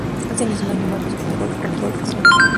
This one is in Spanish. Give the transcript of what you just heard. Ese mismo año marcó su primer gol con la selección.